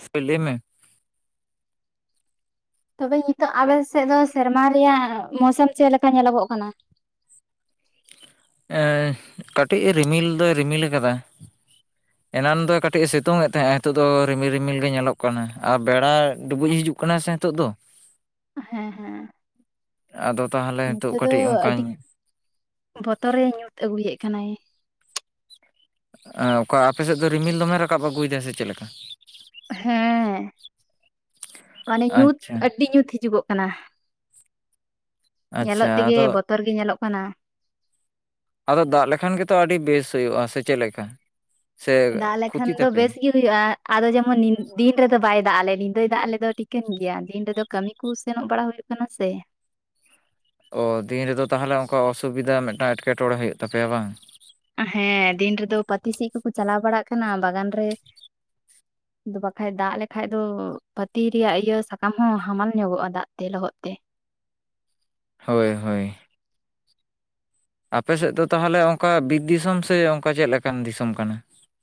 [unintelligible] ᱞᱟᱹᱭ ᱢᱮ᱾ ᱛᱚᱵᱮ ᱱᱤᱛᱚᱜ ᱟᱵᱮᱱ ᱥᱮᱫ ᱫᱚ ᱥᱮᱨᱢᱟ ᱨᱮᱭᱟᱜ ᱢᱳᱣᱥᱚᱢ ᱪᱮᱫ ᱞᱮᱠᱟ ᱧᱮᱞᱚᱜᱚᱜ ᱠᱟᱱᱟ ᱟᱹᱻ ᱠᱟᱹᱴᱤᱡ ᱮ ᱨᱤᱢᱤᱞ ᱫᱚᱭ ᱨᱤᱢᱤᱞ ᱟᱠᱟᱫᱟ᱾ [inaudible] ᱮᱱᱟᱱ ᱫᱚ ᱠᱟᱹᱴᱤᱡ ᱮ ᱥᱤᱛᱩᱝ ᱮᱫ ᱛᱟᱦᱮᱸᱼᱟ᱾ ᱱᱤᱛᱚᱜ ᱫᱚ ᱨᱤᱢᱤᱞ ᱨᱤᱢᱤᱞ ᱜᱮ ᱧᱮᱞᱚᱜ ᱠᱟᱱᱟ᱾ ᱟᱨ ᱵᱮᱲᱟ ᱰᱩᱵᱩᱡ ᱦᱤᱡᱩᱜ ᱠᱚᱱᱟ ᱥᱮ ᱦᱤᱛᱳᱜ ᱫᱚ ᱦᱮᱸ ᱦᱮᱸ᱾ ᱟᱫᱚ ᱛᱟᱦᱞᱮ ᱦᱤᱛᱳᱜ ᱱᱚᱛᱮ ᱫᱚ ᱠᱟᱴᱤᱡ ᱟᱹᱰᱤ ᱚᱝᱠᱟᱧ ᱵᱚᱛᱚᱨᱮ ᱧᱩᱛ ᱟᱹᱜᱩᱭᱮᱫ ᱠᱟᱱᱟᱭ ᱚᱠᱟ ᱟᱯᱮ ᱥᱮᱫ ᱫᱚ ᱨᱤᱢᱤᱞ ᱫᱚᱢᱮ ᱨᱟᱠᱟᱵ ᱟᱹᱜᱩᱭᱮᱫᱟ ᱥᱮ ᱪᱮᱫ ᱞᱮᱠᱟ ᱦᱮᱸ ᱢᱟᱱᱮ ᱧᱩᱛ ᱟᱪᱪᱷᱟ ᱟᱹᱰᱤ ᱧᱩᱛ ᱦᱤᱡᱩᱜᱚᱜ ᱠᱟᱱᱟ ᱟᱪᱪᱷᱟ ᱧᱮᱞᱚᱜ ᱛᱮᱜᱮ ᱟᱫᱚ ᱵᱚᱛᱚᱨ ᱜᱮ ᱧᱮᱞᱚᱜ ᱠᱟᱱᱟ᱾ ᱟᱫᱚ ᱫᱟᱜ ᱞᱮᱠᱷᱟᱱ ᱜᱮᱛᱚ ᱟᱹᱰᱤ ᱵᱮᱥ ᱦᱩᱭᱩᱜᱼᱟ ᱥᱮ ᱪᱮᱫ ᱞᱮᱠᱟ? ᱥᱮ ᱫᱟᱜ ᱞᱮᱠᱷᱟᱱ ᱠᱷᱩᱛᱤ ᱫᱚ ᱛᱟᱯᱮ? ᱵᱮᱥ ᱜᱮ ᱦᱩᱭᱩᱜᱼᱟ ᱟᱫᱚ ᱡᱮᱢᱚᱱ ᱫᱤᱱ ᱨᱮᱫᱚ ᱵᱟᱭ ᱫᱟᱜ ᱟᱞᱮ ᱧᱤᱫᱟᱹᱭ ᱫᱟᱜ ᱟᱞᱮᱚ ᱴᱷᱤᱠᱟᱹᱱ ᱜᱮᱭᱟ ᱫᱤᱱ ᱨᱮᱫᱚ ᱠᱟᱹᱢᱤ ᱠᱩ ᱥᱮᱱᱚᱜ ᱵᱟᱲᱟ ᱦᱩᱭᱩᱜ ᱠᱟᱱᱟ ᱥᱮ ᱚ ᱫᱤᱱ ᱨᱮᱫᱚ ᱛᱟᱦᱞᱮ ᱚᱱᱠᱟ ᱚᱥᱩᱵᱤᱫᱟ ᱢᱤᱫᱴᱟᱜ ᱮᱴᱠᱮᱴᱚᱬᱮ ᱦᱩᱭᱩᱜ ᱛᱟᱯᱮᱭᱟ ᱵᱟᱝ᱾ ᱦᱮᱸ ᱫᱤᱱ ᱨᱮᱫᱚ ᱯᱟᱹᱛᱤ ᱥᱤᱜ ᱠᱚᱠᱚ ᱪᱟᱞᱟᱣ ᱵᱟᱲᱟᱜ ᱠᱟᱱᱟ ᱵᱟᱜᱟᱱ ᱨᱮ ᱫᱚ ᱵᱟᱠᱷᱟᱡ ᱫᱟᱜ ᱞᱮᱠᱷᱟᱡ ᱫᱚ ᱯᱟᱹᱛᱤ ᱨᱮᱭᱟᱜ ᱤᱭᱟᱹ ᱥᱟᱠᱟᱢ ᱦᱚᱸ ᱦᱟᱢᱟᱞ ᱧᱚᱜᱚᱜᱼᱟ ᱫᱟᱜ ᱛᱮ ᱞᱚᱦᱚᱫ ᱛᱮ᱾ ᱦᱳᱭ ᱦᱳᱭ᱾ ᱟᱯᱮᱥᱮᱫ ᱫᱚ ᱛᱟᱦᱚᱞᱮ ᱚᱱᱠᱟ ᱵᱤᱨ ᱫᱤᱥᱚᱢ ᱥᱮ ᱚᱱᱠᱟ ᱪᱮᱫ ᱞᱮᱠᱟᱱ ᱫᱤᱥᱚᱢ ᱠᱟᱱᱟ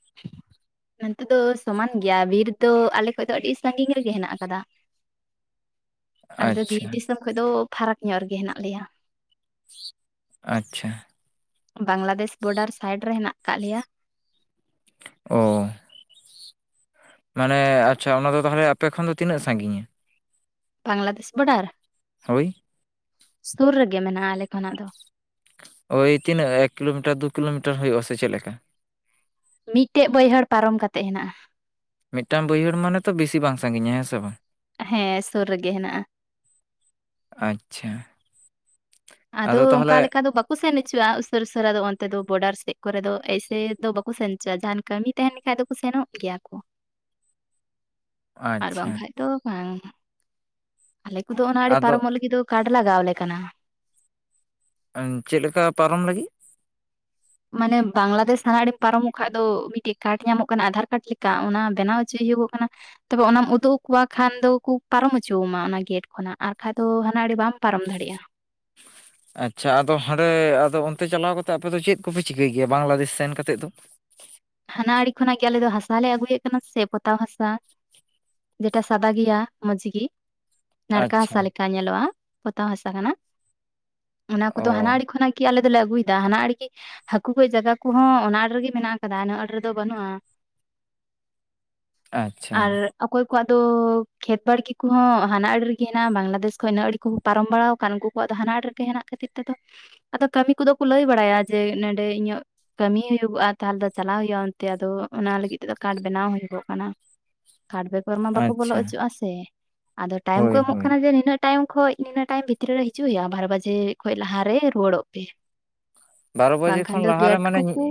[inaudible] ᱱᱚᱱᱛᱮ ᱫᱚ ᱥᱚᱢᱟᱱ ᱜᱮᱭᱟ ᱵᱤᱨ ᱫᱚ ᱟᱞᱮ ᱠᱷᱚᱡ ᱫᱚ ᱟᱹᱰᱤ ᱥᱟᱺᱜᱤᱧ ᱨᱮᱜᱮ ᱦᱮᱱᱟᱜ ᱟᱠᱟᱫᱟ ᱟᱞᱮ ᱫᱚ ᱟᱪᱪᱷᱟ ᱵᱤᱨ ᱫᱤᱥᱚᱢ ᱠᱷᱚᱡ ᱫᱚ ᱯᱷᱟᱨᱟᱠ ᱧᱚᱜ ᱨᱮᱜᱮ ᱦᱮᱱᱟᱜ ᱞᱮᱭᱟ ᱟᱪᱷᱟ ᱵᱟᱝᱞᱟᱫᱮᱥ ᱵᱚᱰᱟᱨ ᱥᱟᱭᱤᱰ ᱨᱮ ᱦᱮᱱᱟᱜ ᱟᱠᱟᱫ ᱞᱮᱭᱟ ᱚᱻ ᱢᱟᱱᱮ ᱟᱪᱪᱷᱟ ᱚᱱᱟ ᱫᱚ ᱛᱟᱦᱮᱞᱮ ᱟᱯᱮ ᱠᱷᱚᱱ ᱫᱚ ᱛᱤᱱᱟᱹᱜ ᱥᱟᱺᱜᱤᱧᱟ? ᱵᱟᱝᱞᱟᱫᱮᱥ ᱵᱚᱰᱟᱨ ᱦᱳᱭ ᱥᱩᱨ ᱨᱮᱜᱮ ᱢᱮᱱᱮ ᱟᱞᱮ ᱠᱷᱚᱱᱟᱜ ᱫᱚ᱾ ᱳᱭ ᱛᱤᱱᱟᱹᱜ ᱮᱠ ᱠᱤᱞᱳᱢᱤᱴᱟᱨ ᱫᱩ ᱠᱤᱞᱳᱢᱤᱴᱟᱨ ᱦᱩᱭᱩᱜ-ᱟ ᱥᱮ ᱪᱮᱫ ᱞᱮᱠᱟ? ᱢᱤᱫᱴᱮᱡ ᱵᱟᱹᱭᱦᱟᱹᱲ ᱯᱟᱨᱚᱢ ᱠᱟᱛᱮᱜ ᱦᱮᱱᱟᱜᱼᱟ᱾ ᱢᱤᱫᱴᱟᱝ ᱵᱟᱹᱭᱦᱟᱹᱲ ᱢᱟᱱᱮ ᱛᱚ ᱵᱤᱥᱤ ᱵᱟᱝ ᱥᱟᱺᱜᱤᱧᱟ ᱦᱮᱸ ᱥᱮ ᱵᱟᱝ? ᱦᱮᱸ ᱥᱩᱨ ᱨᱮᱜᱮ ᱦᱮᱱᱟᱜ-ᱟ᱾ ᱟᱪᱷᱟ ᱟᱫᱚ ᱚᱱᱠᱟ ᱞᱮᱠᱟ ᱫᱚ ᱵᱟᱠ ᱵᱟ ᱠᱚ ᱥᱮᱱ ᱚᱪᱚᱜᱼᱟ ᱩᱥᱟᱥᱟᱹᱨᱟ ᱵᱚᱰᱟᱨ ᱥᱮᱡ ᱠᱚᱨᱮ ᱫᱚ ᱮᱭᱥᱮ ᱫᱚ ᱵᱟᱠᱚ ᱥᱮᱱ ᱚᱪᱚᱣᱟᱜ-ᱟ ᱡᱟᱦᱟᱱ ᱠᱟᱹᱢᱤ ᱛᱟᱦᱮᱱ ᱠᱷᱟᱱᱡ ᱫᱚ ᱥᱮᱱᱚᱜ ᱜᱮᱭᱟ ᱠᱚ ᱟᱨ ᱟᱪᱪᱷᱟ ᱵᱟᱝᱠᱷᱟᱡ ᱫᱚ ᱵᱟᱝ ᱟᱞᱮ ᱠᱚᱫᱚ ᱚᱱᱟ ᱟᱹᱲᱮ ᱟᱫᱚ ᱯᱟᱨᱚᱢᱚᱜ ᱞᱟᱹᱜᱤᱫ ᱫᱚ ᱠᱟᱰ ᱞᱟᱜᱟᱶ ᱟᱞᱮ ᱠᱟᱱᱟ ᱪᱮᱫ ᱞᱮᱠᱟ ᱯᱟᱨᱚᱢ ᱞᱟᱹᱜᱤᱫ ᱢᱟᱱᱮ ᱵᱟᱝᱞᱟᱫᱮᱥ ᱦᱟᱱᱟ ᱟᱲᱮ ᱯᱟᱨᱚᱢᱚᱜ ᱠᱷᱟᱡ ᱫᱚ ᱢᱤᱫᱴᱤᱡ ᱠᱟᱨᱰ ᱧᱟᱢᱚᱜ ᱠᱟᱱᱟ ᱟᱸᱫᱷᱟᱨ ᱠᱟᱨᱰ ᱞᱮᱠᱟ ᱚᱱᱟ ᱵᱮᱱᱟᱣ ᱦᱚᱪᱚᱭ ᱦᱩᱭᱩᱜᱚᱜ ᱠᱟᱱᱟ ᱛᱚᱵᱮ ᱚᱱᱟᱢ ᱩᱫᱩᱜ ᱟᱠᱚᱣᱟ ᱠᱷᱟᱱ ᱫᱚᱠᱚ ᱯᱟᱨᱚᱢ ᱦᱚᱪᱚᱣᱟᱢᱟ ᱚᱱᱟ ᱜᱮᱴ ᱠᱷᱚᱱᱟᱜ ᱟᱨ ᱵᱟᱠᱟᱱ ᱫᱚ ᱦᱟᱱᱟ ᱟᱲ ᱵᱟᱢ ᱯᱟᱨᱚᱢ ᱫᱟᱲᱮᱭᱟᱜ-ᱟ ᱟᱪᱷᱟ ᱟᱫᱚ ᱦᱟᱸᱰᱮ ᱟᱫᱚ ᱚᱱᱛᱮ ᱪᱟᱞᱟᱣ ᱠᱟᱛᱮᱜ ᱟᱯᱮ ᱫᱚ ᱪᱮᱫ ᱠᱚᱯᱮ ᱪᱤᱠᱟᱹᱭ ᱜᱮᱭᱟ ᱵᱟᱝᱞᱟ ᱫᱮᱹᱥ ᱥᱮᱱ ᱠᱟᱛᱮᱫ ᱫᱚ ᱦᱟᱱᱟ ᱟᱲᱤ ᱠᱷᱚᱱᱟᱜ ᱜᱮ ᱟᱞᱮ ᱫᱚ ᱦᱟᱥᱟᱞᱮ ᱟᱹᱜᱩᱭᱮᱫ ᱠᱟᱱᱟ ᱥᱮ ᱯᱚᱛᱟᱣ ᱦᱟᱥᱟ᱾ ᱡᱮᱴᱟ ᱥᱟᱫᱟ ᱜᱮᱭᱟ ᱢᱚᱡᱽ ᱜᱤ, ᱱᱟᱲᱠᱟ ᱟᱪᱪᱷᱟ ᱦᱟᱥᱟ ᱞᱮᱠᱟ ᱧᱮᱞᱚᱜ-ᱟ, ᱯᱚᱛᱟᱣ ᱦᱟᱥᱟ ᱠᱟᱱᱟ ᱚᱱᱟ ᱚ ᱠᱚᱫᱚ ᱦᱟᱱᱟ ᱟᱲᱤ ᱠᱷᱚᱱᱟᱜᱤ ᱟᱞᱮ ᱞᱮ ᱟᱹᱜᱩᱭᱮᱫᱟ ᱦᱟᱱᱟ ᱟᱲᱜᱮ ᱦᱟᱹᱠᱩ ᱡᱟᱭᱜᱟ ᱠᱚᱦᱚᱸ ᱚᱱᱟ ᱟᱲᱮ ᱨᱮᱜᱮ ᱢᱮᱱᱟᱜ-ᱟ᱾ ᱟᱱᱟ ᱟᱸᱴ ᱨᱮᱫᱚ ᱵᱟᱹᱱᱩᱜ-ᱟ ᱟᱪᱪᱷᱟ ᱟᱨ ᱚᱠᱚᱭ ᱠᱚᱣᱟᱜ ᱫᱚ ᱠᱷᱮᱛ ᱵᱟᱲᱠᱤ ᱠᱚᱦᱚᱸ ᱦᱟᱱᱟ ᱟᱲᱮ ᱨᱮᱜᱮ ᱦᱮᱱᱟᱜ-ᱟ, ᱵᱟᱝᱞᱟᱫᱮᱥ ᱠᱷᱚᱱ ᱤᱱᱟᱹ ᱟᱲᱮ ᱠᱩ ᱯᱟᱨᱚᱢ ᱵᱟᱲᱟ ᱟᱠᱟᱱ ᱩᱱᱠᱩ ᱠᱚᱣᱟᱜ ᱫᱚ ᱦᱟᱱᱟᱴ ᱨᱮᱜ ᱦᱮᱱᱟᱜᱟᱹᱛᱤᱨᱮᱫᱚ ᱟᱫᱚ ᱠᱟᱹᱢᱤ ᱠᱚᱫᱚ ᱠᱚ ᱞᱟᱹᱭ ᱵᱟᱲᱟᱭᱟ ᱡᱮ ᱱᱚᱸᱰᱮ ᱤᱧᱟᱹᱜ ᱠᱟᱹᱢᱤ ᱦᱩᱭᱩᱜ-ᱟ᱾ ᱛᱟᱦᱚᱞᱮ ᱫᱚ ᱪᱟᱞᱟᱜ ᱦᱩᱭᱩᱜ-ᱟ ᱚᱱᱛᱮ ᱟᱫᱚ ᱚᱱᱟ ᱞᱟᱹᱜᱤᱫ ᱛᱮᱫᱚ ᱠᱟᱨᱰ ᱵᱮᱱᱟᱣ ᱦᱩᱭᱩᱜᱚᱜ ᱠᱟᱱᱟ ᱠᱟᱨᱰ ᱫᱚ ᱦᱚᱨ ᱢᱟ ᱵᱟᱠᱚ ᱵᱚᱞᱚ ᱟᱪᱪᱷᱟ ᱚᱪᱚᱜ-ᱟ ᱥᱮ, ᱟᱫᱚ ᱴᱟᱭᱤᱢ ᱠᱚ ᱦᱳᱭ ᱮᱢᱚᱜ ᱦᱳᱭ ᱠᱟᱱᱟ ᱡᱮ ᱱᱤᱱᱟᱹᱜ ᱴᱟᱭᱤᱢ ᱠᱷᱚᱡ ᱱᱤᱱᱟᱹ ᱴᱟᱭᱤᱢ ᱵᱷᱤᱛᱨᱤ ᱨᱮ ᱦᱤᱡᱩᱜ ᱦᱩᱭᱩᱜ-ᱟ ᱵᱟᱨ ᱵᱟᱡᱮ ᱠᱷᱚᱱᱚᱡ ᱞᱟᱦᱟᱮ ᱨᱩᱩᱭᱟᱹᱲᱚᱜ ᱯᱮ᱾ ᱵᱟᱨᱚ ᱵᱟᱡᱮ ᱵᱟᱝᱠᱷᱟᱱ ᱠᱷᱚᱱ ᱫᱚ ᱞᱟᱦᱟᱨᱮ ᱜᱮᱴ ᱢᱟᱱᱮ ᱠᱚᱠᱚ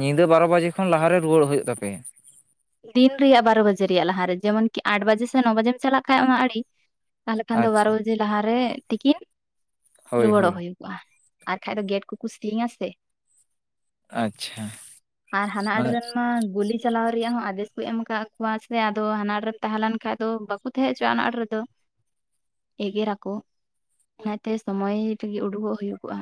ᱧᱤᱫᱟᱹ ᱵᱟᱨᱚ ᱵᱟᱡᱮ ᱠᱷᱚᱱ ᱞᱟᱦᱟᱨᱮ ᱨᱩᱣᱟᱹᱲ ᱦᱩᱭᱩᱜ ᱛᱟᱯᱮᱭᱟ? ᱫᱤᱱ ᱨᱮᱭᱟᱜ ᱵᱟᱨᱚ ᱵᱟᱡᱮ ᱨᱮᱭᱟᱜ ᱞᱟᱦᱟᱨᱮ ᱡᱮᱢᱚᱱ ᱠᱤ ᱟᱴ ᱵᱟᱡᱮ ᱥᱮ ᱱᱚ ᱵᱟᱡᱮᱢ ᱪᱟᱞᱟᱜ ᱠᱷᱟᱱ ᱚᱱᱟ ᱟᱲᱰᱤ ᱛᱟᱦᱚᱞᱮ ᱠᱷᱟᱱ ᱫᱚ ᱵᱟᱨᱚ ᱟᱪᱪᱷᱟ ᱵᱟᱡᱮ ᱞᱟᱦᱟᱨᱮ ᱛᱤᱠᱤᱱ ᱦᱳᱭ ᱨᱩᱣᱟᱹᱲᱚᱜ ᱦᱳᱭ ᱦᱩᱭᱩᱜ ᱟ ᱟᱨᱠᱷᱟᱡ ᱫᱚ ᱜᱮᱴ ᱠᱚᱠᱚ ᱥᱤᱧ ᱟᱥᱮ ᱟᱪᱪᱷᱟ ᱟᱨ ᱦᱟᱱᱟ ᱟᱹᱲᱮ ᱢᱟᱱᱮ ᱨᱮᱢᱟ ᱜᱩᱞᱤ ᱪᱟᱞᱟᱣ ᱨᱮᱭᱟᱜ ᱦᱚᱸ ᱟᱫᱮᱥ ᱠᱚ ᱮᱢ ᱟᱠᱟᱫ ᱠᱚᱣᱟ ᱥᱮ ᱟᱫᱚ ᱦᱟᱱᱟ ᱟᱲᱮᱨᱮᱫᱚ ᱛᱟᱦᱮᱸ ᱞᱮᱱ ᱠᱷᱟᱱᱡ ᱫᱚ ᱵᱟᱠᱚ ᱛᱟᱦᱮᱸ ᱦᱚᱪᱚ-ᱟ ᱦᱟᱱᱟ ᱨᱮᱫᱚ ᱮᱜᱮᱨ ᱟᱠᱚ, ᱚᱱᱟᱛᱮ ᱥᱚᱢᱚᱭ ᱨᱮᱜᱮ ᱩᱰᱩᱠᱚᱜ ᱦᱩᱭᱩᱜᱚᱜ-ᱟ᱾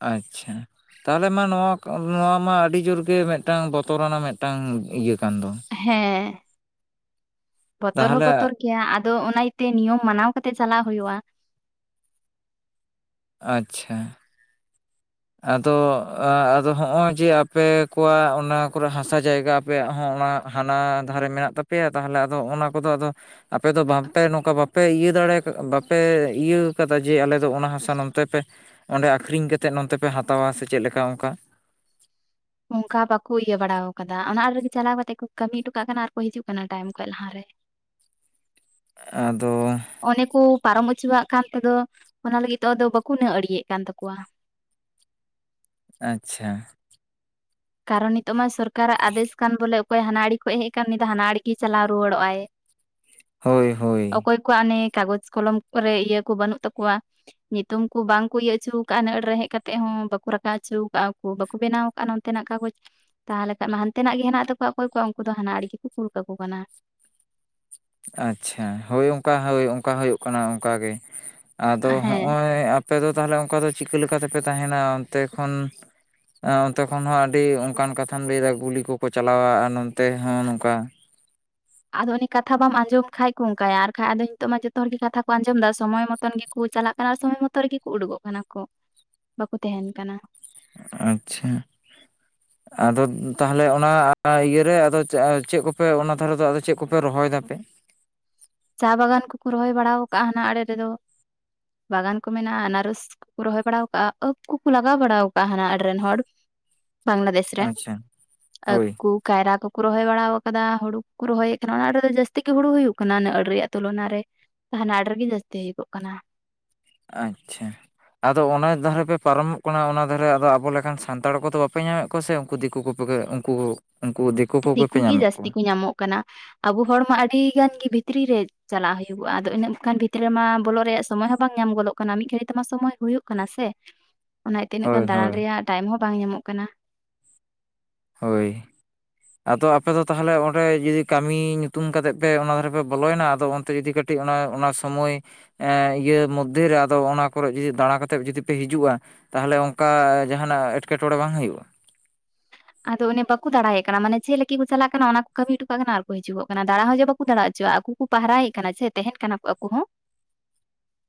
ᱟᱪᱷᱟ ᱛᱟᱦᱚᱞᱮ ᱢᱟ ᱱᱚᱣᱟ, ᱱᱚᱣᱟ ᱢᱟ ᱟᱹᱰᱤ ᱡᱳᱨ ᱜᱮ ᱢᱤᱫᱴᱟᱝ ᱵᱚᱛᱚᱨᱟᱱᱟᱜ ᱢᱤᱫᱴᱟᱝ ᱤᱭᱟᱹ ᱠᱟᱱ ᱫᱚ? ᱦᱮᱸ ᱵᱚᱛᱚᱨ ᱦᱚᱸ ᱛᱟᱦᱚᱞᱮ ᱵᱚᱛᱚᱨ ᱜᱤᱭᱟ ᱟᱫᱚ ᱚᱱᱟ ᱤᱭᱟᱹᱛᱮ ᱱᱤᱭᱚᱢ ᱢᱟᱱᱟᱣ ᱠᱟᱛᱮ ᱪᱟᱞᱟᱳ ᱦᱩᱭᱩᱜ-ᱟ᱾ ᱟᱪᱷᱟ ᱟᱫᱚ ᱟᱫᱚ ᱦᱚᱸᱜ-ᱚᱭ ᱡᱮ ᱟᱯᱮ ᱠᱚᱣᱟᱜ ᱚᱱᱟ ᱠᱚᱨᱮ ᱦᱟᱥᱟ ᱡᱟᱭᱜᱟ ᱟᱯᱮᱭᱟᱜ ᱦᱚᱸ ᱚᱱᱟ ᱦᱟᱱᱟ ᱫᱷᱟᱨᱮ ᱢᱮᱱᱟᱜ ᱛᱟᱯᱮᱭᱟ ᱛᱟᱦᱚᱞᱮ ᱟᱫᱚ ᱚᱱᱟ ᱠᱚᱫᱚ ᱟᱫᱚ? ᱟᱯᱮ ᱫᱚ ᱵᱟᱝᱯᱮ ᱱᱚᱝᱠᱟ ᱵᱟᱯᱮ ᱤᱭᱟᱹ ᱫᱟᱲᱮ ᱵᱟᱯᱮ ᱤᱭᱟᱹ ᱠᱟᱫᱟ ᱡᱮ ᱟᱞᱮ ᱫᱚ ᱚᱱᱟ ᱦᱟᱥᱟ ᱱᱚᱱᱛᱮ ᱯᱮ ᱚᱸᱰᱮ ᱟᱠᱷᱨᱤᱧ ᱠᱟᱛᱮᱫ ᱱᱚᱱᱛᱮ ᱯᱮ ᱦᱟᱛᱟᱣᱟ ᱥᱮ ᱪᱮᱫᱞᱮᱠᱟ ᱚᱱᱠᱟ? ᱚᱱᱠᱟ ᱵᱟᱠᱚ ᱤᱭᱟᱹ ᱵᱟᱲᱟ ᱟᱠᱟᱫᱟ ᱚᱱᱟ ᱟᱲ ᱨᱮᱜᱮ ᱪᱟᱞᱟᱣ ᱠᱟᱛᱮᱜ ᱠᱚ ᱠᱟᱹᱢᱤ ᱦᱚᱴᱚ ᱠᱟᱜ ᱠᱟᱱᱟ ᱟᱨᱠᱚ ᱦᱤᱡᱩᱜ ᱠᱟᱱᱟ ᱴᱟᱭᱤᱢ ᱠᱷᱚᱡ ᱞᱟᱦᱟᱨᱮ᱾ ᱟᱫᱚ ᱚᱱᱮᱠᱩ ᱯᱟᱨᱚᱢ ᱦᱚᱪᱚᱣᱟᱜ ᱠᱟᱱ ᱛᱮᱫᱚ ᱚᱱᱟ ᱞᱟᱹᱜᱤᱫ ᱛᱮ ᱟᱫᱚ ᱵᱟᱠᱚ ᱱᱟᱹ ᱟᱲᱤᱭᱮᱫ [unintelligible] ᱠᱟᱱ ᱛᱟᱠᱚᱣᱟ᱾ ᱟᱪᱪᱷᱟ, ᱠᱟᱨᱚᱱ ᱱᱤᱛᱚᱜ ᱢᱟ ᱥᱚᱨᱠᱟᱨᱟᱜ ᱟᱫᱮᱥ ᱠᱟᱱ ᱵᱚᱞᱮ ᱚᱠᱚᱭ ᱦᱟᱱᱟᱲᱤ ᱠᱷᱚᱱ ᱦᱮᱡ ᱟᱠᱟᱱ ᱩᱱᱤ ᱦᱟᱱᱟᱲ ᱜᱮ ᱪᱟᱞᱟᱣ ᱨᱩᱣᱟᱹᱲᱚᱜᱼ ᱟᱭ᱾ ᱦᱳᱭ, ᱦᱳᱭ ᱩᱱᱠᱩᱣᱟᱜ ᱱᱮ ᱠᱟᱜᱚᱡᱽ ᱠᱚᱞᱚᱢ ᱠᱚᱨᱮ ᱤᱭᱟᱹ ᱠᱚ ᱵᱟᱹᱱᱩᱜ ᱛᱟᱠᱚᱣᱟ, ᱧᱩᱛᱩᱢ ᱠᱚ ᱵᱟᱝᱠᱚ ᱤᱭᱟᱹ ᱚᱪᱚ ᱟᱠᱟᱫᱼᱟ, ᱱᱟᱹᱲ ᱨᱮ ᱦᱮᱡ ᱠᱟᱛᱮᱜ ᱦᱚᱸ ᱵᱟᱠᱚ ᱨᱟᱠᱟ ᱦᱚᱪᱚ ᱟᱠᱟᱫᱼᱟ, ᱵᱟᱠᱚ ᱵᱮᱱᱟᱣ ᱟᱠᱟᱫ ᱦᱟᱱᱛᱮᱱᱟᱜ ᱠᱟᱜᱚᱡᱽ ᱛᱟᱦᱚᱞᱮ ᱠᱷᱟᱱ ᱢᱟ ᱦᱟᱱᱛᱮᱱᱟᱜ ᱜᱮ ᱦᱮᱱᱟᱜ ᱛᱟᱠᱚᱣᱟ ᱚᱠᱚᱭ ᱠᱚ ᱩᱱᱠᱩ ᱫᱚ ᱦᱟᱱᱟ ᱟᱲᱮ ᱜᱮᱠᱚ ᱠᱩᱞ ᱠᱟᱠᱚ ᱠᱟᱱᱟ᱾ ᱟᱪᱪᱷᱟ ᱦᱳᱭ ᱚᱱᱠᱟ ᱦᱳᱭ ᱚᱱᱠᱟ ᱦᱩᱭᱩᱜ ᱠᱟᱱᱟ ᱚᱱᱠᱟᱜᱮ᱾ ᱟᱫᱚ ᱦᱮᱸ ᱦᱚᱸᱜᱼᱚᱭ ᱟᱯᱮ ᱫᱚ ᱛᱟᱦᱚᱞᱮ ᱚᱱᱠᱟ ᱫᱚ ᱪᱤᱠᱟᱹ ᱛᱮᱯᱮ ᱛᱟᱦᱮᱱᱟ ᱚᱱᱛᱮ ᱠᱷᱚᱱ ᱚᱱᱛᱮ ᱠᱷᱚᱱ ᱦᱚᱸ ᱟᱹᱰᱤ ᱚᱱᱠᱟᱱ ᱠᱟᱛᱷᱟᱢ ᱞᱟᱹᱭᱫᱟ ᱜᱩᱞᱤ ᱠᱚᱠᱚ ᱪᱟᱞᱟᱣ-ᱟ, ᱟᱨ ᱱᱚᱱᱛᱮ ᱦᱚᱸ ᱱᱚᱝᱠᱟ ᱟᱫᱚ ᱩᱱᱤ ᱠᱟᱛᱷᱟ ᱵᱟᱢ ᱟᱸᱡᱚᱢ ᱠᱷᱟᱡ ᱠᱚ ᱚᱱᱠᱟᱭᱟ ᱟᱨᱠᱷᱟᱡ ᱟᱫᱚ ᱱᱤᱛᱚᱜ ᱢᱟ ᱡᱚᱛᱚ ᱦᱚᱲ ᱜᱮ ᱠᱟᱛᱷᱟ ᱠᱚ ᱟᱸᱡᱚᱢᱮᱫᱟ ᱥᱚᱢᱚᱭ ᱢᱚᱛ ᱢᱚᱛᱚᱱ ᱜᱮᱠᱚ ᱪᱟᱞᱟᱜ ᱠᱟᱱᱟ ᱥᱚᱢᱚᱭ ᱢᱚᱛᱚ ᱨᱮᱜᱮ ᱠᱚ ᱩᱰᱩᱠᱚᱜ ᱠᱟᱱᱟ ᱠᱚ ᱵᱟᱠᱚ ᱛᱟᱦᱮᱱ ᱠᱟᱱᱟ᱾ ᱟᱪᱪᱷᱟ ᱟᱫᱚ ᱛᱟᱦᱚᱞᱮ ᱚᱱᱟ ᱤᱭᱟᱹᱨᱮ ᱟᱫᱚ ᱪᱮᱫ ᱠᱚᱯᱮ ᱚᱱᱟ ᱫᱷᱟᱨᱮ ᱫᱚ ᱟᱫᱚ ᱪᱮᱫ ᱠᱚᱯᱮ ᱨᱚᱦᱚᱭᱮᱫᱟᱯᱮ? ᱪᱟ ᱵᱟᱜᱟᱱ ᱠᱩᱠᱚ ᱨᱚᱦᱚᱭ ᱵᱟᱲᱟ ᱟᱠᱟᱫᱟᱼᱟ ᱦᱟᱱᱟ ᱟᱲᱮ ᱨᱮᱫᱚ᱾ ᱵᱟᱜᱟᱱ ᱠᱚ ᱢᱮᱱᱟᱜᱼᱟ ᱟᱱᱟᱨᱚᱥ ᱠᱚᱠᱚ ᱨᱚᱦᱚᱭ ᱵᱟᱲᱟ ᱠᱟᱜᱼᱟ ᱟᱺᱠ ᱠᱚᱠᱚ ᱞᱟᱜᱟᱣ ᱵᱟᱲᱟ ᱠᱟᱜᱼᱟ ᱦᱟᱱᱟ ᱟᱲ ᱨᱮᱱ ᱦᱚᱲ ᱵᱟᱝᱞᱟᱫᱮᱥ ᱨᱮᱱ ᱟᱪᱪᱷᱟ ᱟᱺᱠ ᱦᱳᱭ ᱠᱩ ᱠᱟᱭᱨᱟ ᱠᱚᱠᱚ ᱨᱚᱦᱚᱭ ᱵᱟᱲ ᱟᱠᱟᱫᱟ, ᱦᱩᱲᱩ ᱠᱚ ᱨᱚᱦᱚᱭᱮᱫ ᱠᱟᱱᱟ ᱚᱱᱟ ᱨᱮᱫᱚ ᱡᱟᱹᱥᱛᱤ ᱜᱮ ᱦᱩᱲᱩ ᱦᱩᱭᱩᱜ ᱠᱟᱱᱟ᱾ ᱨᱮᱭᱟᱜ ᱛᱩᱞᱚᱱᱟ ᱨᱮ ᱦᱟᱱᱟ ᱟᱲᱮ ᱨᱮᱜᱤ ᱡᱟᱹᱥᱛᱤ ᱦᱩᱭᱩᱜᱚᱜ ᱠᱟᱱᱟ᱾ ᱟᱪᱪᱷᱟ, ᱟᱫᱚ ᱚᱱᱟ ᱫᱷᱟᱨᱮ ᱯᱮ ᱯᱟᱨᱚᱢᱚᱜ ᱠᱟᱱᱟ ᱚᱱᱟ ᱫᱷᱟᱨᱮ ᱟᱫᱚ ᱟᱵᱚ ᱞᱮᱠᱟᱱ ᱥᱟᱱᱛᱟᱲ ᱠᱚᱫᱚ ᱵᱟᱯᱮ ᱧᱟᱢᱮᱫ ᱠᱚᱥᱮ ᱩᱱᱠᱩ ᱫᱤᱠᱩ ᱠᱩ ᱠᱚᱜᱮ ᱩᱱᱠᱩ ᱩᱱᱠᱩ ᱫᱤᱠ ᱫᱤᱠᱩ ᱜᱤ ᱡᱟᱹᱥᱛᱤ ᱠᱚ ᱧᱟᱢᱚᱜ ᱠᱟᱱᱟ ᱟᱵᱚ ᱦᱚᱲᱢᱟ ᱟᱹᱰᱤ ᱜᱟᱱ ᱜᱮ ᱵᱷᱤᱛᱨᱤ ᱨᱮ ᱪᱟᱞᱟᱜ ᱦᱩᱭᱩᱜᱚᱜᱼᱟ ᱟᱫᱚ ᱤᱱᱟᱹᱜ ᱜᱟᱱ ᱵᱷᱤᱛᱨᱤ ᱢᱟ ᱵᱚᱞᱚᱜ ᱨᱮᱭᱟᱜ ᱥᱚᱢᱚᱭ ᱦᱚᱸ ᱵᱟᱝ ᱧᱟᱢ ᱜᱚᱫᱚᱜ ᱠᱟᱱᱟ ᱢᱤᱫ ᱜᱷᱟᱹᱲᱤᱡ ᱛᱮᱢᱟ ᱥᱚᱢᱚᱭ ᱦᱩᱭᱩᱜ ᱠᱟᱱᱟ ᱥᱮ? ᱚᱱᱟ ᱛᱤᱱᱟᱹᱜ ᱦᱳᱭ ᱜᱟᱱ ᱫᱟᱬᱟᱱ ᱦᱳᱭ ᱨᱮᱭᱟᱜ ᱴᱟᱭᱤᱢ ᱦᱚᱸ ᱵᱟᱝ ᱧᱟᱢᱚᱜ ᱠᱟᱱᱟ᱾ ᱦᱳᱭ ᱟᱫᱚ ᱟᱯᱮ ᱫᱚ ᱛᱟᱦᱚᱞᱮ ᱚᱸᱰᱮ ᱡᱩᱫᱤ ᱠᱟᱹᱢᱤ ᱧᱩᱛᱩᱢ ᱠᱟᱛᱮᱫ ᱯᱮ ᱚᱱᱟ ᱫᱷᱟᱨᱮ ᱯᱮ ᱵᱚᱞᱚᱭᱮᱱᱟ ᱟᱫᱚ ᱚᱱᱛᱮ ᱡᱩᱫᱤ ᱠᱟᱹᱴᱤᱡ ᱴᱤᱡ ᱚᱱᱟ ᱚᱱᱟ ᱥᱚᱢᱳᱭ ᱮᱸ ᱤᱭᱟᱹ ᱢᱚᱫᱽᱫᱷᱮ ᱨᱮ ᱟᱫᱚ ᱚᱱᱟ ᱠᱚᱨᱮᱜ ᱡᱩᱫᱤ ᱫᱟᱬᱟ ᱠᱟᱛᱮᱫ ᱡᱩᱫᱤ ᱯᱮ ᱦᱤᱡᱩᱜᱼᱟ, ᱛᱟᱦᱚᱞᱮ ᱚᱱᱠᱟ ᱡᱟᱦᱟᱱᱟᱜ ᱮᱴᱠᱮᱴᱚᱬᱮ ᱵᱟᱝ ᱦᱩᱭᱩᱜᱼᱟ? ᱟᱫᱚ ᱚᱱᱮ ᱵᱟᱠᱚ ᱫᱟᱟᱲᱟᱭᱭᱟᱜ ᱠᱟᱱᱟ ᱢᱟᱱᱮ ᱪᱮᱫ ᱠᱚ ᱪᱟᱞᱟᱜ ᱠᱟᱱᱟ ᱚᱱᱟ ᱠᱚ ᱠᱟᱹᱢᱤ ᱦᱚᱴᱚ ᱠᱟᱜ ᱠᱟᱱᱟ ᱟᱨ ᱠᱚ ᱦᱤᱡᱩᱜ ᱠᱟᱱᱟ ᱫᱟᱬᱟ ᱦᱚᱸ ᱡᱚ ᱵᱟᱠᱚ ᱫᱟᱬᱟ ᱦᱚᱪᱚᱣᱟᱜ ᱟᱠᱩ ᱯᱟᱦᱨᱟᱭᱮᱫ ᱠᱟᱱᱟ ᱥᱮ ᱛᱟᱦᱮᱱ ᱠᱟᱱᱟ ᱠᱚ ᱟᱠᱩ ᱦᱚᱸ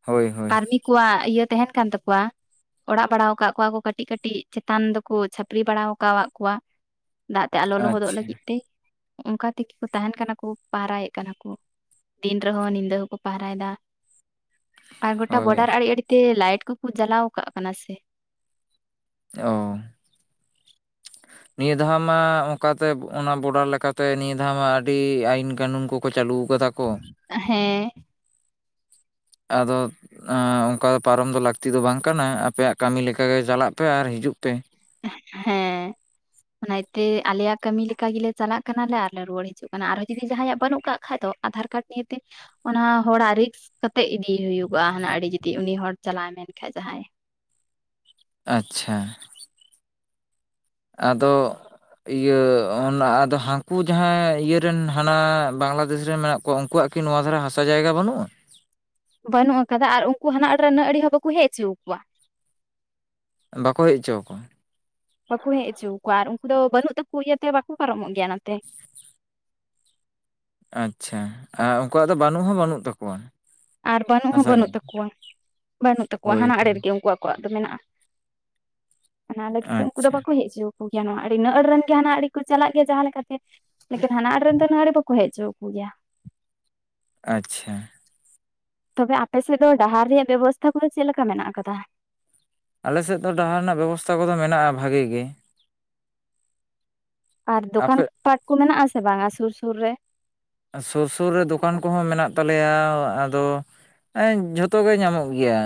ᱦᱳᱭ, ᱦᱳᱭ ᱟᱨᱢᱤ ᱠᱚᱣᱟᱜ ᱤᱭᱟᱹ ᱛᱟᱦᱮᱱ ᱠᱟᱱ ᱛᱟᱠᱚᱣᱟ ᱚᱲᱟᱜ ᱵᱟᱲᱟ ᱟᱠᱟᱫ ᱠᱚᱣᱟ ᱠᱚ ᱠᱟᱹᱴᱤᱡ ᱠᱟᱹᱴᱤᱡ ᱪᱮᱛᱟᱱ ᱫᱚᱠᱩ ᱪᱷᱟᱹᱯᱨᱤ ᱵᱟᱲᱟ ᱟᱠᱟᱫ ᱠᱚᱣᱟᱜ ᱠᱚᱣᱟᱜ, ᱫᱟᱜ ᱛᱮ ᱟᱞᱚ ᱞᱚᱦᱚᱫᱚᱜ ᱟᱪᱪᱷᱟ ᱞᱟᱹᱜᱤᱫ ᱛᱮ᱾ ᱚᱱᱠᱟ ᱛᱮᱜᱤ ᱠᱚ ᱛᱟᱦᱮᱱ ᱠᱟᱱᱟ ᱠᱚ ᱯᱟᱦᱨᱟᱭᱮᱫ ᱠᱟᱱᱟ ᱠᱩ᱾ ᱫᱤᱱ ᱨᱮᱦᱚᱸ ᱧᱤᱫᱟᱹ ᱦᱚᱸᱠᱚ ᱯᱟᱦᱟᱨᱟᱭ ᱫᱟ᱾ ᱟᱨ ᱜᱚᱴᱟ ᱦᱳᱭ ᱵᱚᱰᱟᱨ ᱟᱲᱮ ᱟᱲᱮᱛᱮ ᱞᱟᱭᱤᱴ ᱠᱚᱠᱚ ᱡᱟᱞᱟᱣ ᱠᱟᱜ ᱠᱟᱱᱟ ᱥᱮ᱾ ᱚ ᱱᱤᱭᱟᱹ ᱫᱷᱟᱣ ᱢᱟ ᱚᱱᱠᱟᱛᱮ ᱚᱱᱟ ᱵᱚᱰᱟᱨ ᱞᱮᱠᱟᱛᱮ ᱱᱤᱭᱟᱹ ᱫᱷᱟᱣ ᱢᱟ ᱟᱹᱰᱤ ᱟᱭᱤᱱ ᱠᱟᱹᱱᱩᱱ ᱠᱚᱠᱚ ᱪᱟᱹᱞᱩ ᱠᱟᱫᱟ᱾ ᱠᱚ ᱦᱮᱸ ᱟᱫᱚ ᱚᱱᱠᱟ ᱯᱟᱨᱚᱢ ᱫᱚ ᱞᱟᱹᱠᱛᱤ ᱫᱚ ᱵᱟᱝ ᱠᱟᱱᱟ ᱟᱯᱮᱭᱟᱜ ᱠᱟᱹᱢᱤ ᱞᱮᱠᱟᱜᱮ ᱪᱟᱞᱟᱜ ᱯᱮ ᱟᱨ ᱦᱤᱡᱩᱜ ᱯᱮ᱾ ᱦᱮᱸ ᱱᱟᱭᱛᱮ ᱟᱞᱮᱭᱟᱜ ᱠᱟᱹᱢᱤ ᱞᱮᱠᱟ ᱜᱮᱞᱮ ᱪᱟᱞᱟᱜ ᱠᱟᱱᱟᱞᱮ ᱟᱨᱞᱮ ᱨᱩᱣᱟᱹᱲ ᱦᱤᱡᱩᱜ ᱠᱟᱱᱟ ᱟᱨᱦᱚᱸ ᱡᱩᱫᱤ ᱡᱟᱦᱟᱸᱭᱟᱜ ᱵᱟᱹᱱᱩᱜ ᱠᱟᱜ ᱠᱷᱟᱡ ᱫᱚ ᱟᱫᱷᱟᱨ ᱠᱟᱨᱰ [inaudible] ᱚᱱᱟ ᱦᱚᱲᱟᱜ ᱨᱤᱠᱥ ᱠᱟᱛᱮᱜ ᱤᱫᱤ ᱮ ᱦᱩᱭᱩᱜᱚᱜᱼᱟ ᱦᱟᱱᱟ ᱟᱹᱰᱤ ᱡᱩᱫᱤ ᱩᱱᱤ ᱦᱚᱲ ᱪᱟᱞᱟᱣ ᱢᱮᱱᱠᱟᱱᱡ ᱡᱟᱦᱟᱸᱭ᱾ ᱟᱪᱪᱷᱟ ᱟᱫᱚ ᱤᱭᱟᱹ ᱚᱱᱟ ᱟᱫᱚ ᱦᱟᱹᱠᱩ ᱡᱟᱦᱟᱸ ᱤᱭᱟᱹᱨᱮᱱ ᱦᱟᱱᱟ ᱵᱟᱝᱞᱟᱫᱮᱥ ᱨᱮᱱ ᱢᱮᱱᱟᱜ ᱠᱚᱣᱟᱜ ᱩᱱᱠᱩᱣᱟᱜ ᱠᱤ ᱱᱚᱣᱟ ᱫᱷᱟᱨᱟ ᱦᱟᱥᱟ ᱡᱟᱭᱜᱟ ᱵᱟᱹᱱᱩᱜᱼᱟ? ᱵᱟᱹᱱᱩᱜ ᱟᱠᱟᱫᱟ ᱟᱨ ᱩᱱᱠᱩ ᱦᱟᱱᱟ ᱚᱲᱨᱮᱱᱟᱹ ᱟ ᱦᱚᱸ ᱵᱟᱠᱚ ᱦᱮᱡ ᱦᱚᱪᱚ ᱟᱠᱚᱣᱟ᱾ ᱵᱟᱠᱚ ᱦᱮᱡ ᱦᱚᱪᱚ ᱟᱠᱚᱣᱟ? ᱵᱟᱠᱚ ᱦᱮᱡ ᱚᱪᱚ ᱟᱠᱚᱣᱟ ᱟᱨ ᱩᱱᱠᱩ ᱫᱚ ᱵᱟᱹᱱᱩᱜ ᱛᱟᱠᱚ ᱤᱭᱟᱹᱛᱮ ᱵᱟᱠᱚ ᱯᱟᱨᱚᱢᱚᱜ ᱜᱮᱭᱟ ᱱᱚᱛᱮ᱾ ᱟᱪᱪᱷᱟ ᱟᱨ ᱩᱱᱠᱩᱣᱟᱜ ᱫᱚ ᱵᱟᱹᱱᱩᱜ ᱦᱚᱸ ᱵᱟᱹᱱᱩᱜ ᱛᱟᱠᱚᱣᱟ ᱟᱨ ᱵᱟᱹᱱᱩᱜ ᱦᱚᱸ ᱦᱟᱥᱟ ᱵᱟᱹᱱᱩᱜ ᱡᱟᱭᱜᱟ ᱛᱟᱠᱚᱣᱟ ᱵᱟᱹᱱᱩᱜ ᱛᱟᱠᱚᱣᱟ ᱦᱳᱭ ᱦᱟᱱᱟ ᱟᱲᱮ ᱦᱳᱭ, ᱨᱮᱜᱮ ᱩᱱᱠᱩᱣᱟᱜ ᱟᱲᱟᱜ ᱫᱚ ᱢᱮᱱᱟᱜᱼᱟ ᱚᱱᱟ ᱞᱟᱹᱜᱤᱫ ᱛᱮ ᱩᱱᱠᱩ ᱫᱚ ᱟᱪᱪᱷᱟ ᱵᱟᱠᱚ ᱦᱮᱡ ᱪᱩ ᱜᱮᱭᱟ ᱟᱹᱰᱤ ᱱᱟᱹᱲ ᱨᱮᱱ ᱜᱮ ᱦᱟᱱᱟᱱᱟᱜ ᱟᱹᱰᱤ ᱠᱚ ᱪᱟᱞᱟᱜ ᱜᱮᱭᱟ ᱡᱟᱦᱟᱸ ᱞᱮᱠᱟᱛᱮ ᱞᱮᱠᱤᱱ ᱦᱟᱱᱟ ᱟᱲᱮ ᱨᱮᱱ ᱫᱚ ᱱᱚᱣᱟ ᱟᱲᱮ ᱵᱟᱠᱚ ᱦᱮᱡᱪᱚ ᱟᱠᱩ ᱜᱮᱭᱟ ᱟᱪᱪᱷᱟ ᱛᱚᱵᱮ ᱟᱯᱮᱥᱮᱫ ᱫᱚ ᱰᱟᱦᱟᱨ ᱨᱮᱭᱟᱜ ᱵᱮᱵᱚᱥᱛᱷᱟ ᱠᱚᱫᱚ ᱪᱮᱫ ᱞᱮᱠᱟ ᱢᱮᱱᱟᱜ ᱟᱠᱟᱫᱟ? ᱟᱞᱮᱥᱮᱫ ᱫᱚ ᱰᱟᱦᱟᱨ ᱨᱮᱱᱟᱜ ᱵᱮᱵᱚᱥᱛᱷᱟ ᱠᱚᱫᱚ ᱢᱮᱱᱟᱜᱼᱟ ᱵᱷᱟᱜᱮ ᱜᱮ᱾ ᱟᱨ ᱫᱚᱠᱟᱱ ᱟᱯᱮ ᱯᱟᱴ ᱠᱚ ᱢᱮᱱᱟᱜ ᱟᱥᱮ ᱵᱟᱝᱟ ᱥᱩᱨ ᱥᱩᱨ ᱨᱮ? ᱥᱩᱨ ᱥᱩᱨ ᱨᱮ ᱫᱚᱠᱟᱱ ᱠᱚᱦᱚᱸ ᱢᱮᱱᱟᱜ ᱛᱟᱞᱮᱭᱟ ᱟᱫᱚ ᱡᱷᱚᱛᱚ ᱜᱮ ᱧᱟᱢᱚᱜ ᱜᱮᱭᱟ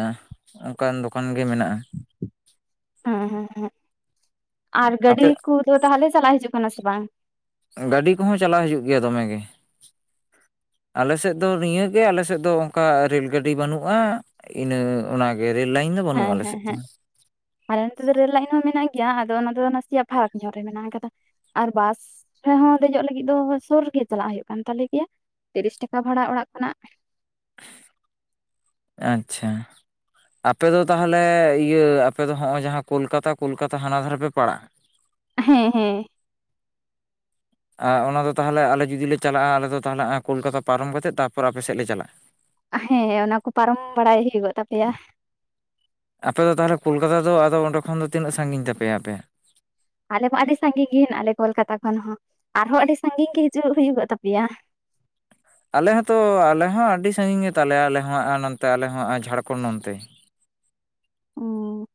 ᱚᱱᱠᱟᱱ ᱫᱚᱠᱟᱱ ᱜᱮ ᱢᱮᱱᱟᱜᱼᱟ᱾ ᱦᱮᱸ ᱦᱮᱸ ᱦᱩᱸ ᱟᱨ ᱜᱟᱹᱰᱤ ᱟᱯᱮ ᱠᱚᱫᱚ ᱛᱟᱦᱚᱞᱮ ᱪᱟᱞᱟᱜ ᱦᱤᱡᱩᱜ ᱠᱟᱱᱟ ᱥᱮ ᱵᱟᱝ? ᱜᱟᱹᱰᱤ ᱠᱚᱦᱚᱸ ᱪᱟᱞᱟᱣ ᱦᱤᱡᱩᱜ ᱜᱮᱭᱟ ᱫᱚᱢᱮᱜ ᱜᱮ᱾ ᱟᱞᱮ ᱥᱮᱫ ᱫᱚ ᱱᱤᱭᱟᱹᱜᱮ ᱟᱞᱮ ᱥᱮᱫ ᱫᱚ ᱚᱱᱠᱟ ᱨᱮᱹᱞ ᱜᱟᱹᱰᱤ ᱵᱟᱹᱱᱩᱜᱼᱟ ᱤᱱᱟᱹ ᱚᱱᱟᱜᱮ ᱨᱮᱹᱞ ᱞᱟᱭᱤᱱ ᱜᱮ ᱵᱟᱹᱱᱩᱜᱼᱟ ᱦᱮᱸ ᱟᱞᱮ ᱦᱮᱸ ᱥᱮᱫ ᱫᱚ ᱦᱮᱸ ᱟᱞᱮ ᱱᱚᱛᱮ ᱫᱚ ᱨᱮᱹᱞ ᱞᱟᱭᱤᱱ ᱦᱚᱸ ᱢᱮᱱᱟᱜ ᱜᱮᱭᱟ ᱟᱫᱚ ᱚᱱᱟ ᱫᱚ ᱱᱟᱥᱮᱭᱟᱜ ᱯᱷᱟᱨᱟᱠ ᱧᱚᱜ ᱨᱮ ᱢᱮᱱᱟᱜ ᱟᱠᱟᱫᱟ ᱟᱨ ᱵᱟᱥ ᱨᱮᱦᱚ ᱫᱮᱡᱚᱜ ᱞᱟᱹᱜᱤᱫ ᱫᱚ ᱥᱩᱨ ᱨᱮᱜᱮ ᱪᱟᱞᱟᱜ ᱦᱩᱭᱩᱜ ᱠᱟᱱ ᱛᱟᱞᱮ ᱜᱮᱭᱟ ᱛᱤᱨᱤᱥ ᱴᱟᱠᱟ ᱵᱷᱟᱲᱟ ᱚᱲᱟᱜ ᱠᱷᱚᱱᱟᱜ ᱟᱪᱪᱷᱟ ᱟᱯᱮᱫᱚ ᱛᱟᱦᱚᱞᱮ ᱤᱭᱟᱹ ᱟᱯᱮᱚ ᱦᱚᱜᱼᱚᱭ ᱡᱟᱦᱟᱸ ᱠᱳᱞᱠᱟᱛᱟ ᱠᱳᱞᱠᱟᱛᱟ ᱦᱟᱱᱟ ᱫᱷᱟᱨᱮ ᱯᱮ ᱯᱟᱲᱟᱜᱼᱟ? ᱦᱮᱸ ᱦᱮᱸ ᱟ ᱚᱱᱟᱫᱚ ᱛᱟᱦᱚᱞᱮ ᱟᱞᱮ ᱡᱩᱫᱤ ᱞᱮ ᱪᱟᱞᱟᱜᱼᱟ ᱟᱞᱮ ᱫᱚ ᱛᱟᱦᱚᱞᱮ ᱠᱳᱞᱠᱟᱛᱟ ᱯᱟᱨᱚᱢ ᱠᱟ ᱠᱟᱛᱮᱫ ᱛᱟᱨᱯᱚᱨ ᱟᱯᱮ ᱥᱮᱫ ᱞᱮ ᱪᱟᱞᱟᱜᱼᱟ? ᱦᱮᱸ ᱚᱱᱟᱠᱚ ᱯᱟᱨᱚᱢ ᱵᱟᱲᱟᱭ ᱦᱩᱭᱩᱜᱚᱜ ᱛᱟᱯᱮᱭᱟ ᱟᱯᱮ ᱫᱚ ᱛᱟᱦᱚᱞᱮ ᱠᱳᱞᱠᱟᱛᱟ ᱫᱚ ᱟᱫᱚ ᱚᱸᱰᱮ ᱠᱷᱚᱱ ᱫᱚ ᱛᱤᱱᱟᱹᱜ ᱥᱟᱺᱜᱤᱧ ᱛᱟᱯᱮᱭᱟ ᱟᱯᱮ ᱟᱞᱮ ᱢᱟ ᱟᱹᱰᱤ ᱥᱟᱺᱜᱤᱧ ᱜᱮ ᱟᱞᱮ ᱠᱳᱞᱠᱟᱛᱟ ᱠᱷᱚᱱ ᱦᱚᱸ ᱟᱨᱦᱚᱸ ᱟᱹᱰᱤ ᱥᱟᱜᱤᱧ ᱜᱮ ᱦᱤᱡᱩᱜ ᱦᱩᱭᱩᱜ ᱛᱟᱯᱮᱭᱟ ᱟᱞᱮ ᱦᱚᱸᱛᱚ ᱟᱞᱮ ᱦᱚᱸ ᱟᱹᱰᱤ ᱥᱟᱺᱜᱤᱧ ᱜᱮᱛᱟᱞᱮᱭᱟ ᱟᱞᱮ ᱦᱚᱸ ᱱᱚᱛᱮ ᱟᱞᱮ ᱦᱚᱸ ᱡᱷᱟᱲᱠᱷᱚᱸᱰ ᱱᱚᱱᱛᱮ ᱚ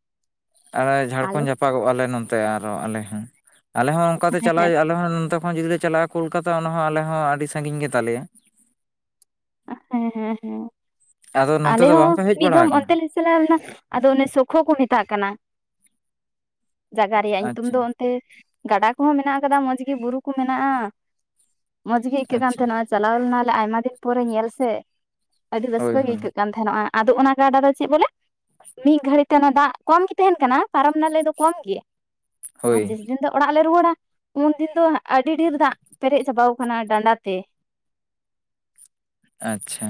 ᱟᱨ ᱟᱞᱮ ᱡᱷᱟᱲᱠᱷᱚᱸᱰ ᱡᱟᱯᱟᱜᱚᱜᱼᱟᱞᱮ ᱱᱚᱛᱮ ᱟᱨᱚ ᱟᱞᱮ ᱦᱚᱸ ᱟᱞᱮ ᱦᱚᱸ ᱚᱱᱠᱟᱛᱮ ᱦᱮᱸ ᱪᱟᱞᱟᱣ ᱟᱞᱮ ᱦᱚᱸ ᱱᱚᱛ ᱦᱚᱸ ᱡᱩᱫᱤ ᱞᱮ ᱪᱟᱞᱟᱜᱼᱟᱳᱞᱠᱟᱛᱟ ᱚᱱᱟ ᱦᱚᱸᱚᱸ ᱟᱞᱮ ᱦᱚᱸ ᱟᱹᱰᱤ ᱥᱟᱺᱜᱤᱧ ᱜᱮᱛᱟᱞᱮᱭᱟ ᱦᱮᱸ ᱦᱮᱸ ᱦᱮᱸ ᱟᱫᱚ ᱱᱚᱛᱮ ᱟᱞᱮ ᱫᱚ ᱦᱚᱸ ᱵᱟᱝᱯᱮ ᱦᱮᱡ ᱢᱤᱫ ᱵᱟᱲᱟ ᱫᱷᱚᱢ ᱟᱠᱟᱱᱟ ᱚᱱᱛᱮ ᱞᱮ ᱪᱟᱞᱟᱣ ᱞᱮᱱᱟ ᱟᱫᱚ ᱚᱱᱮ ᱥᱚᱠᱠᱷᱚ ᱠᱚ ᱢᱮᱛᱟᱜ ᱠᱟᱱᱟ ᱡᱟᱭᱜᱟ ᱨᱮᱭᱟᱜ ᱧᱩᱛᱩᱢ ᱟᱪᱪᱷᱟ ᱫᱚ ᱜᱟᱰᱟ ᱠᱚᱦᱚᱸ ᱢᱮᱱᱟᱜ ᱟᱠᱟᱫᱟ ᱢᱚᱸᱡᱽ ᱜᱮ ᱵᱩᱨᱩ ᱠᱚ ᱢᱮᱱᱟᱜᱼᱟ ᱢᱚᱸᱡᱽ ᱜᱮ ᱟᱹᱭᱠᱟᱹᱜ ᱠᱟᱱ ᱟᱪᱪᱷᱟ ᱛᱟᱦᱮᱱᱟᱚᱜ ᱪᱟᱞᱟᱣ ᱞᱮᱱᱟᱞᱮ ᱟᱭᱢᱟ ᱫᱤᱱ ᱯᱚᱨᱮ ᱧᱮᱞ ᱥᱮ ᱟᱹᱰᱤ ᱦᱳᱭ ᱨᱟᱹᱥᱠᱟᱹ ᱜᱮ ᱦᱳᱭ ᱟᱹᱭᱠᱟᱹᱜ ᱠᱟᱱ ᱛᱟᱦᱮᱚᱜᱼᱟ ᱟᱫᱚ ᱚᱱᱟ ᱠᱟᱰᱟ ᱫᱚ ᱪᱮᱫ ᱵᱚᱞᱮ? ᱢᱤᱫ ᱜᱷᱟᱹᱲᱤᱡ ᱛᱮ ᱚᱱᱟ ᱫᱟᱜ ᱠᱚᱢ ᱜᱮ ᱛᱟᱦᱮᱱ ᱠᱟᱱᱟ ᱯᱟᱨᱚᱢ ᱱᱟᱞᱮ ᱫᱚ ᱠᱚᱢ ᱜᱮ ᱟᱨ ᱦᱳᱭ ᱡᱟᱥ ᱫᱤᱱ ᱫᱚ ᱚᱲᱟᱜ ᱞᱮ ᱨᱩᱣᱟᱹᱲᱟ ᱩᱱᱫᱤᱱ ᱫᱚ ᱟᱹᱰᱤ ᱰᱷᱮᱨ ᱫᱟᱜ ᱯᱮᱨᱮᱡ ᱪᱟᱵᱟᱣ ᱟᱠᱟᱱᱟ ᱰᱟᱸᱰᱟ ᱛᱮ ᱟᱪᱪᱷᱟ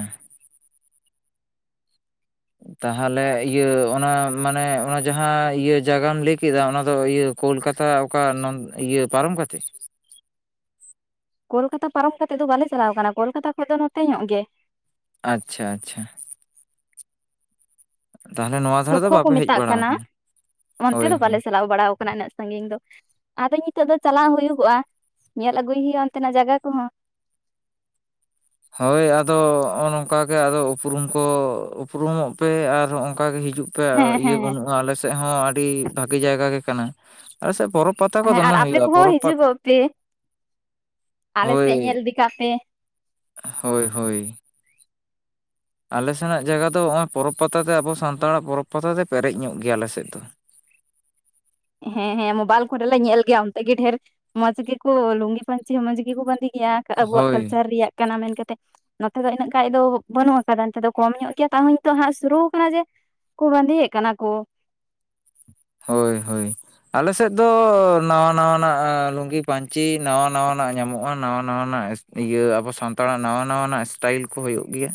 ᱛᱟᱦᱚᱞᱮ ᱤᱭᱟᱹ ᱚᱱᱟ ᱢᱟᱱᱮ ᱚᱱᱟ ᱡᱟᱦᱟᱸ ᱤᱭᱟᱹ ᱡᱟᱭᱜᱟᱢ ᱞᱟᱹᱭ ᱠᱮᱫᱟ ᱚᱱᱟ ᱫᱚ ᱤᱭᱟᱹ ᱠᱳᱞᱠᱟᱛᱟ ᱚᱠᱟ ᱤᱭᱟᱹ ᱯᱟᱨᱚᱢ ᱠᱟᱛᱮ ᱠᱳᱞᱠᱟᱛᱟ ᱯᱟᱨᱚᱢ ᱠᱟᱛᱮᱜ ᱫᱚ ᱵᱟᱞᱮ ᱪᱟᱞᱟᱣ ᱟᱠᱟᱱᱟ ᱠᱳᱞᱠᱟᱛᱟ ᱠᱷᱚᱱ ᱫᱚ ᱱᱚᱛᱮ ᱧᱚᱜ ᱜᱮ ᱟᱪᱪᱷᱟ ᱟᱪᱪᱷᱟ ᱛᱟᱦᱚᱞᱮ ᱱᱚᱣᱟ ᱫᱷᱟᱨᱮ ᱫᱚ ᱥᱩᱠᱠᱷᱚ ᱠᱚ ᱵᱟᱯᱮ ᱦᱮᱡ ᱢᱮᱛᱟᱜ ᱵᱟᱲᱟ ᱠᱟᱱᱟ ᱟᱠᱟᱱᱟ ᱚᱱᱛᱮ ᱦᱳᱭ ᱫᱚ ᱦᱳᱭ ᱵᱟᱞᱮ ᱪᱟᱞᱟᱣ ᱵᱟᱲᱟ ᱠᱟᱱᱟ ᱩᱱᱟᱹᱜ ᱥᱟᱺᱜᱤᱧ ᱫᱚ ᱟᱫᱚ ᱱᱤᱛᱳᱜ ᱫᱚ ᱪᱟᱞᱟᱣ ᱦᱩᱭᱩᱜᱚᱜᱼᱟ ᱧᱮᱞ ᱟᱹᱜᱩᱭ ᱦᱩᱭᱩᱜᱼᱟ ᱚᱱᱛᱮᱱᱟᱜ ᱡᱟᱭᱜᱟ ᱠᱚᱦᱚᱸ᱾ ᱦᱳᱭ ᱟᱫᱚ ᱱᱚᱜᱼᱚ ᱱᱚᱝᱠᱟᱜᱮ ᱟᱫᱚ ᱩᱯᱨᱩᱢ ᱠᱚ ᱩᱯᱨᱩᱢᱚᱜ ᱯᱮ ᱟᱨ ᱦᱚᱸ ᱚᱱᱠᱟᱜ ᱜᱮ ᱦᱤᱡᱩᱜ ᱯᱮ ᱯᱮ ᱦᱮᱸ ᱤᱭᱟᱹ ᱦᱮᱸ ᱵᱟᱹᱱᱩᱜᱼᱟ᱾ ᱟᱞᱮᱥᱮᱫ ᱦᱚᱸ ᱟᱹᱰᱤ ᱵᱷᱟᱜᱤ ᱡᱟᱭᱜᱟ ᱜᱮ ᱠᱟᱱᱟ᱾ ᱟ ᱥᱮᱫ ᱯᱚᱨᱚᱵᱽ ᱯᱟᱛᱟ ᱠᱚ ᱫᱚ ᱦᱮᱸ ᱟᱨ ᱫᱚᱢᱮ ᱟᱯᱮ ᱦᱩᱭᱩᱜᱼᱟ ᱠᱚᱦᱚᱸ ᱯᱚᱨᱚᱵᱽ ᱯᱟ ᱦᱤᱡᱩᱜᱚᱜ ᱯᱮ ᱟᱞᱮ ᱥᱮᱫ ᱧᱮᱞ ᱤᱫᱤ ᱠᱟᱜ ᱯᱮ ᱦᱳᱭ ᱦᱳᱭ ᱟᱞᱮ ᱥᱮᱱᱟᱜ ᱡᱟᱭᱜᱟ ᱫᱚ ᱱᱚᱜᱼᱚᱭ ᱯᱚᱨᱚᱵᱽ ᱯᱟᱛᱟ ᱛᱮ ᱟᱵᱚ ᱥᱟᱱᱛᱟᱲᱟᱜ ᱯᱚᱨᱚᱵᱽ ᱯᱟᱛᱟ ᱛᱮ ᱯᱮᱨᱮᱡ ᱧᱚᱜ ᱜᱮᱭᱟ ᱟᱞᱮ ᱥᱮᱫ ᱫᱚ᱾ ᱦᱮᱸ ᱦᱮᱸ ᱢᱳᱵᱟᱭᱤᱞ ᱠᱚᱨᱮᱞᱮ ᱧᱮᱞ ᱜᱮᱭᱟ ᱚᱱᱛᱮ ᱜᱮ ᱰᱷᱮᱨ ᱢᱚᱸᱡᱽ ᱜᱮᱠᱚ ᱞᱩᱝᱜᱤ ᱯᱟᱹᱧᱪᱤ ᱢᱚᱸᱡᱽ ᱜᱮᱠᱚ ᱵᱟᱸᱫᱮ ᱜᱮᱭᱟ ᱟᱵᱚᱣᱟᱜ ᱦᱳᱭ ᱠᱟᱞᱪᱟᱨ ᱨᱮᱭᱟᱜ ᱠᱟᱱᱟ ᱢᱮᱱᱠᱟ ᱠᱟᱛᱮᱫ᱾ ᱱᱚᱛᱮ ᱫᱚ ᱤᱱᱟᱹᱜ ᱠᱷᱟᱱᱡ ᱫᱚ ᱵᱟᱹᱱᱩᱜ ᱟᱠᱟᱫᱟ ᱱᱤᱛ ᱫᱚ ᱠᱚᱢ ᱧᱚᱜ ᱜᱮᱭᱟ ᱛᱟᱣᱟᱦ ᱱᱤᱛᱚᱜ ᱦᱜ ᱥᱩᱨᱩ ᱠᱟᱱᱟ ᱡᱮ ᱠᱚ ᱵᱟᱸᱫᱮ ᱭᱮᱫ ᱠᱟᱱᱟ ᱠᱚ᱾ ᱦᱳᱭ, ᱦᱳᱭ᱾ ᱟᱞ ᱥᱮᱫ ᱫᱚ ᱱᱟᱣᱟ-ᱱᱟᱣᱟᱱᱟᱜ ᱞᱩᱝᱜᱤ ᱯᱟᱹᱧᱪᱤ ᱱᱟᱣᱟ-ᱱᱟᱣᱟᱱᱟᱜ ᱧᱟᱢᱚᱜᱼᱟ ᱱᱟᱣᱟ-ᱱᱟᱣᱟᱱᱟᱜ᱾ ᱤᱭᱟᱹ ᱟᱵᱚ ᱥᱟᱱᱛᱟᱲᱟᱜ ᱱᱟᱣᱟ ᱱᱟᱣᱟᱱᱟᱜ ᱥᱴᱟᱭᱤᱞ ᱠᱚ ᱦᱩᱭᱩᱜ ᱜᱮᱭᱟ᱾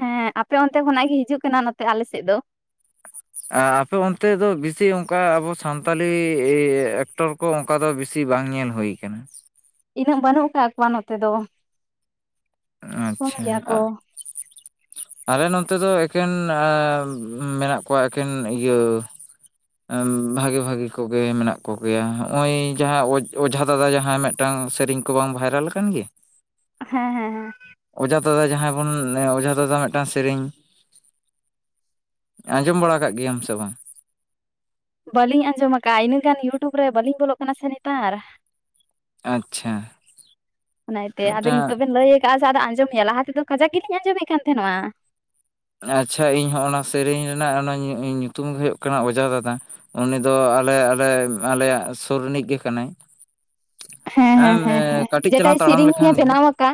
ᱦᱮᱸ ᱟᱯᱮ ᱚᱱᱛᱮ ᱠᱷᱚᱱᱟᱜ ᱜᱮ ᱦᱤᱡᱩᱜ ᱠᱟᱱᱟ ᱱᱚᱛᱮ ᱟᱞᱮ ᱥᱮᱫ ᱫᱚ ᱟᱯᱮ ᱚᱱᱛᱮ ᱫᱚ ᱵᱮᱥᱤ ᱚᱱᱠᱟ ᱟᱵᱚ ᱥᱟᱱᱛᱟᱞᱤ ᱮᱠᱴᱩ ᱠᱚ ᱚᱱᱠᱟ ᱫᱚ ᱵᱤᱥᱤ ᱵᱟᱝ ᱧᱮᱞ ᱦᱩᱭ ᱟᱠᱟᱱᱟ᱾ ᱤᱱᱟᱹᱜ ᱵᱟᱹᱱᱩᱜ ᱟᱠᱟᱫ ᱠᱚᱣᱟ ᱱᱚᱛᱮ ᱫᱚ ᱠᱚᱢ ᱟᱪᱪᱷᱟ ᱜᱮᱭᱟ [inaudible] ᱟᱞᱮ ᱱᱚᱛᱮ ᱫᱚ ᱮᱠᱮᱱ ᱢᱮᱱᱟᱜ ᱠᱚᱣᱟ ᱮᱠᱮᱱ ᱤᱭᱟᱹ ᱮᱸ ᱵᱷᱟᱜᱮ ᱵᱷᱟᱜᱮ ᱠᱚᱜᱮ ᱢᱮᱱᱟᱜ ᱠᱚᱜᱮᱭᱟ, ᱱᱚᱜᱼᱚᱭ ᱡᱟᱦᱟᱸ ᱚᱡ, ᱚᱡᱷᱟ ᱫᱟᱫᱟ ᱡᱟᱦᱟᱸᱭ ᱢᱮᱫ ᱴᱟᱝ ᱥᱮᱨᱮᱧ ᱠᱚ ᱵᱟᱝ ᱵᱷᱟᱭᱨᱟᱞ ᱠᱟᱱ ᱜᱮᱭᱟ? [inaudible] ᱦᱮᱸ ᱦᱮᱸ ᱚᱡᱷᱟ ᱫᱟᱫᱟ ᱡᱟᱦᱟᱸᱭ ᱵᱚᱱ ᱚᱡᱷᱟ ᱫᱟᱫᱟ ᱢᱤᱫᱴᱟᱝ ᱥᱮᱨᱮᱧ, ᱟᱸᱡᱚᱢ ᱵᱟᱲᱟ ᱠᱟᱜ ᱜᱮᱭᱟᱢ ᱥᱮ ᱵᱟᱝ? ᱵᱟᱹᱞᱤᱧ ᱟᱸᱡᱚᱢ ᱟᱠᱟᱫᱼᱟ, ᱤᱱᱟᱹᱜ ᱜᱟᱱ ᱤᱭᱩᱴᱩᱵᱽ ᱨᱮ ᱵᱟᱹᱞᱤᱧ ᱵᱚᱞᱚᱜ ᱠᱟᱱᱟ ᱥᱮ ᱱᱮᱛᱟᱨ᱾ ᱟᱪᱪᱷᱟ ᱚᱱᱟᱛᱮᱭᱟ ᱟᱫᱚ ᱢᱤᱫᱴᱟᱝ ᱱᱤᱛᱳᱜ ᱵᱮᱱ ᱞᱟᱹᱭ ᱪᱮᱫᱟᱜ ᱥᱮ ᱟᱸᱡᱚᱢ ᱢᱮᱭᱟ ᱞᱟ ᱛᱮᱫᱚ ᱠᱟᱡᱟ ᱜᱮᱞᱤᱧ ᱟᱸᱡᱚᱢᱮᱫ ᱠᱟᱱ ᱛᱟᱦᱮᱱᱚᱜᱱᱟ᱾ ᱟᱪᱪᱷᱟ ᱤᱧ ᱦᱚᱸ ᱚᱱᱟ ᱥᱮᱨᱮᱧ ᱨᱮᱱᱟᱜ ᱚᱱᱟ ᱧᱩ-ᱧᱩᱛᱩᱢ ᱦᱩᱭᱩᱜ ᱠᱟᱱᱟ ᱚᱡᱷᱟ ᱫᱟᱫᱟ᱾ ᱩᱱᱤ ᱫᱚ ᱟᱞᱮ, ᱟᱞᱮ, ᱟᱞᱮᱭᱟᱜ ᱥᱩᱨ ᱨᱤᱱᱤᱡ ᱜᱮ ᱠᱟᱱᱟᱭ᱾ ᱦᱮᱸ ᱦᱮᱸ ᱮᱸᱢ ᱦᱮᱸ ᱦᱮᱸ ᱠᱟᱹᱴᱤᱡ ᱡᱮᱴᱟᱭ ᱪᱟᱞᱟᱝ ᱛᱟᱲᱟᱢ ᱥᱮᱨᱮᱧᱮ ᱞᱮᱠᱷᱟᱱ ᱜᱮ᱾ ᱵᱮᱱᱟᱣ ᱟᱠᱟᱫ